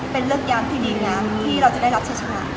เป็นเรื่องยามที่ดีงั้นที่เราจะได้รับชนะชนะ